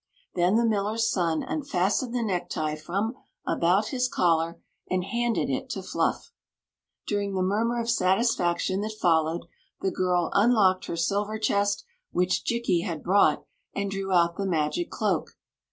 Then the millers son unfastened the necktie from about his collar and handed it to Fluff. During the murmur of satisfaction that followed, the girl unlocked her silver chest, which Jikki had brought, and drew <HitAe ma^ cloak.